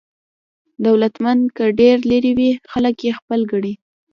دولتمند که ډېر لرې وي، خلک یې خپل ګڼي.